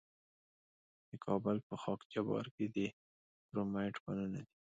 د کابل په خاک جبار کې د کرومایټ کانونه دي.